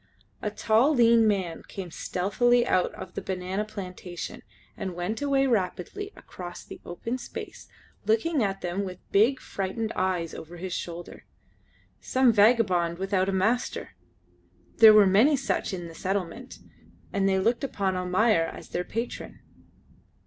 A tall, lean man came stealthily out of the banana plantation, and went away rapidly across the open space looking at them with big, frightened eyes over his shoulder. Some vagabond without a master; there were many such in the settlement, and they looked upon Almayer as their patron.